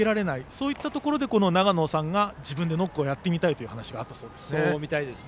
そういったところで永野さんが自分でノックをやってみたいという話があったそうですね。